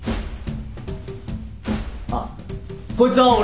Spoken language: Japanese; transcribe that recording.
あっこいつは俺の。